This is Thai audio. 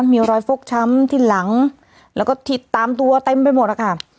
มีรอยฟกช้ำที่หลังแล้วก็ที่ตามตัวเต็มไปหมดนะคะ